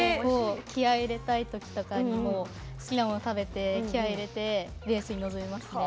気合い入れたい時とかにもう好きなもの食べて気合い入れてレースに臨みますね。